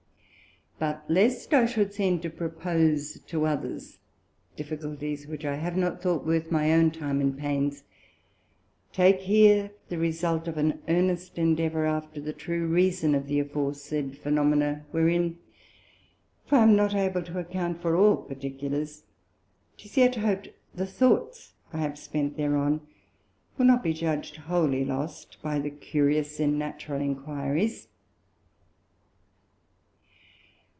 But lest I should seem to propose to others, Difficulties which I have not thought worth my own Time and Pains, take here the result of an earnest Endeavour after the true reason of the aforesaid Phænomena; wherein if I am not able to account for all Particulars, yet 'tis hoped the Thoughts I have spent thereon, will not be judged wholly lost, by the Curious in Natural Enquiries.